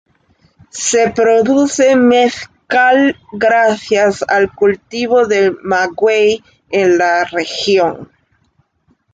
Se produce mezcal gracias al cultivo del maguey en la región.